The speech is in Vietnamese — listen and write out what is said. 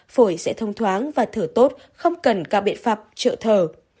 phổi sẽ thông thoáng và thở tốt không cần các biện pháp trợ thở